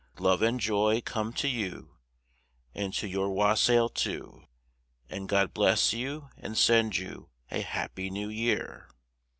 Love and joy come to you And to your wassail too, And God bless you, and send you A happy New Year.